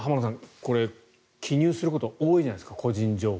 これ、記入すること多いじゃないですか個人情報。